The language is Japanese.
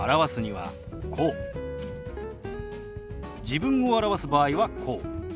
自分を表す場合はこう。